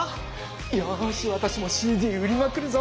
よしわたしもＣＤ売りまくるぞ。